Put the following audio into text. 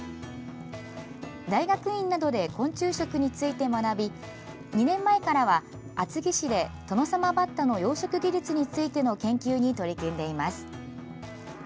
大学院などで昆虫食について学び２年前からは厚木市で、トノサマバッタの養殖技術についての研究に取り組んでいます。